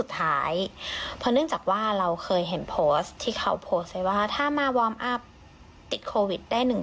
ทางร้านตอบมาว่ายังไง